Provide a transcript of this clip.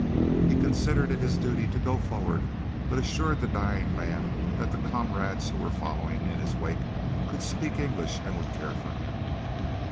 He considered it his duty to go forward, but assured the dying man that the comrades who were following in his wake could speak English and would care for him.